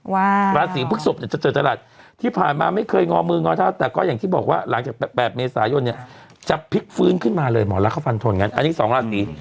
ว้าวลาศีภึกศพจะเจิดจรัสที่ผ่านมาไม่เคยงอมืองอเท้าแต่ก็อย่างที่บอกว่าหลังจากแปดเมษายนเนี่ยจะพลิกฟื้นขึ้นมาเลยหมอลักษณ์เขาฟันโทนงั้นอันนี้๒ลาศี